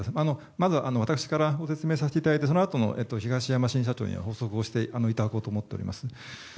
まずは私からご説明させていただいてそのあとに東山新社長に補足していただこうと思っています。